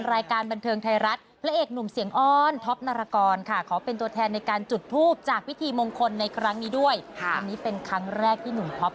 อ่าครั้งแรกมันต้องปั่งนะครับ